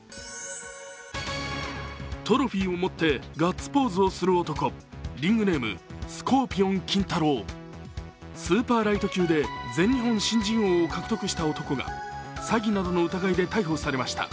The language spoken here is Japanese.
トロフィーを持ってガッツポーズをする男リングネーム・スコーピオン金太郎スーパーライト級で全日本新人王を獲得した男が詐欺などの疑いで逮捕されました。